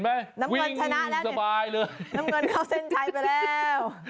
น้ำเงินชนะแล้วสบายเลยน้ำเงินเข้าเส้นชัยไปแล้ว